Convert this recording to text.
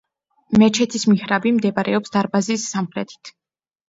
მეჩეთის მიჰრაბი მდებარეობს დარბაზის სამხრეთით.